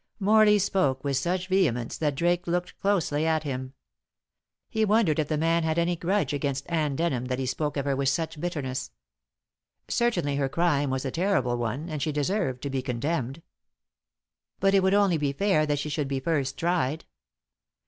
Morley spoke with such vehemence that Drake looked closely at him. He wondered if the man had any grudge against Anne Denham that he spoke of her with such bitterness. Certainly her crime was a terrible one, and she deserved to be condemned. But it would only be fair that she should be first tried.